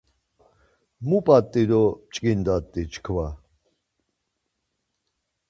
Mu p̌at̆t̆i do p̌ç̌ǩindat̆i çkva?